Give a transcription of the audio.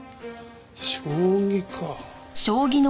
将棋か。